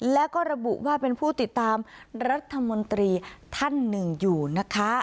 แล้วก็ระบุว่าเป็นผู้ติดตามรัฐมนตรีท่านหนึ่งอยู่นะคะ